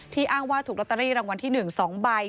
ที่อ้างว่าถูกล็อเตอรี่รางวัลที่๑สองใบ